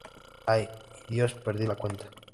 Ay, mi Dios, Perdí la cuenta.